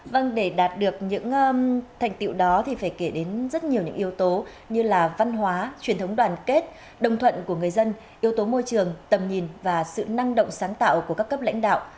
vâng để đạt được những thành tiệu đó thì phải kể đến rất nhiều những yếu tố như là văn hóa truyền thống đoàn kết đồng thuận của người dân yếu tố môi trường tầm nhìn và sự năng động sáng tạo của các cấp lãnh đạo